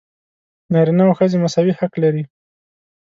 نارینه او ښځې مساوي حق لري.